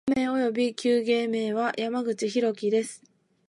本名および旧芸名は、山口大樹（やまぐちひろき）